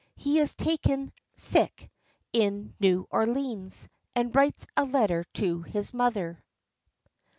— HE IS TAKEN SICK IN NEW ORLEANS, AND WRITES A LETTER TO HIS MOTHER.